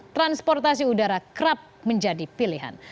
transportasi udara kerap menjadi pilihan